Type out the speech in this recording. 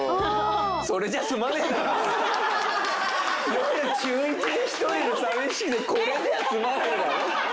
夜中１で一人で寂しくてこれじゃ済まねえだろ！